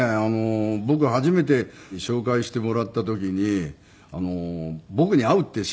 僕が初めて紹介してもらった時に僕に会うって知らないで彼は。